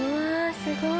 すごい！